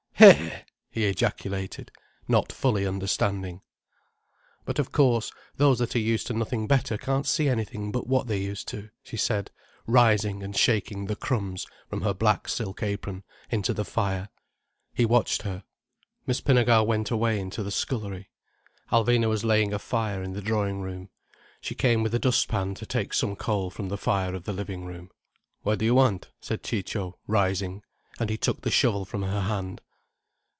"Hé!" he ejaculated, not fully understanding. "But of course those that are used to nothing better can't see anything but what they're used to," she said, rising and shaking the crumbs from her black silk apron, into the fire. He watched her. Miss Pinnegar went away into the scullery. Alvina was laying a fire in the drawing room. She came with a dustpan to take some coal from the fire of the living room. "What do you want?" said Ciccio, rising. And he took the shovel from her hand.